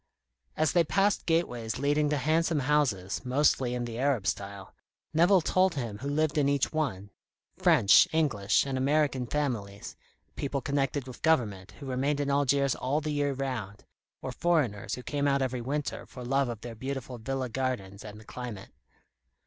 As they passed gateways leading to handsome houses, mostly in the Arab style, Nevill told him who lived in each one: French, English, and American families; people connected with the government, who remained in Algiers all the year round, or foreigners who came out every winter for love of their beautiful villa gardens and the climate.